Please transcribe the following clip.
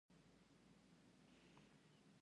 آیا په هرات کې صنعت وده کړې؟